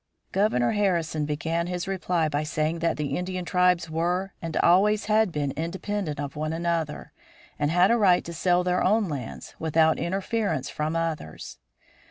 Governor Harrison began his reply by saying that the Indian tribes were and always had been independent of one another, and had a right to sell their own lands, without interference from others.